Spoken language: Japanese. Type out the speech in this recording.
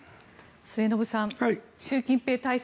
末延さん習近平体制